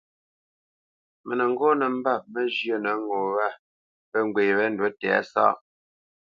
Mə nə́ ŋgɔ́ nə́ mbâp ŋgâʼ mə́ njyə́ ŋo wâ pə́ ŋgwê wé ndǔ tɛ̌sáʼ,